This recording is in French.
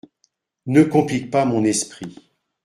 Ne complique pas mon esprit.